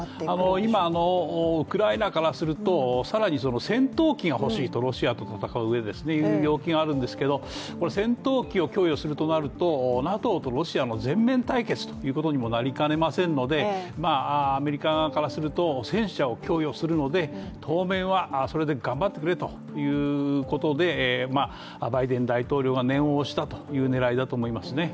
今、ウクライナからすると、更に戦闘機が欲しいと、ロシアと戦う動きでそういう動きがあるんですけど、戦闘機を供与するとなると、ＮＡＴＯとロシアの全面対決ということにもなりかねませんのでアメリカ側からすると、戦車を供与するので、当面はそれで頑張ってくれということで、バイデン大統領が念を押したという狙いだと思いますね。